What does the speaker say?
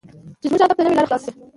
چې زموږ ادب ته نوې لار خلاصه شي.